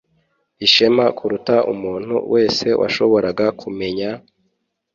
ishema kuruta umuntu wese washoboraga kumenya,